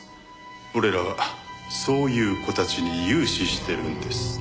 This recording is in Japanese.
俺らはそういう子たちに融資してるんです。